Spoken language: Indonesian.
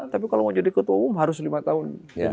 tapi kalau mau jadi ketua umum harus lima tahun